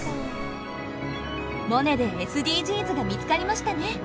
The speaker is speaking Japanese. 「モネ」でＳＤＧｓが見つかりましたね。